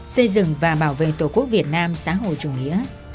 xây dựng và bảo vệ tổ quốc việt nam xã hội chủ nghĩa